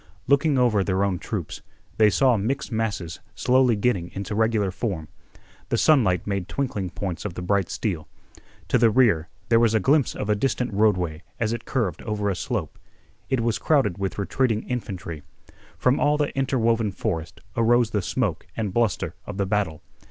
Looking over their own troops, they saw mixed masses slowly getting into regular form. The sunlight made twinkling points of the bright steel. To the rear there was a glimpse of a distant roadway as it curved over a slope. It was crowded with retreating infantry. From all the interwoven forest arose the smoke and bluster of the battle.